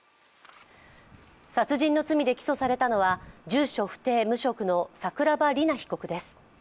殺人の罪で起訴されたのは住所不定・無職の桜庭里菜被告です。